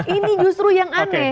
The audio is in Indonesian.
ini justru yang aneh